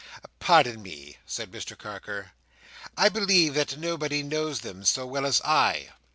"Pardon me," said Mr Carker, "I believe that nobody knows them so well as I.